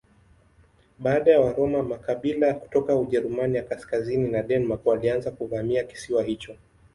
Baada ya Waroma makabila kutoka Ujerumani ya kaskazini na Denmark walianza kuvamia kisiwa hicho.